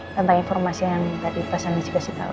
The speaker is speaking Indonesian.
tentang informasi yang tadi pasannya juga kita tau